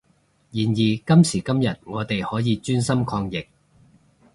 然而今時今日我哋可以專心抗疫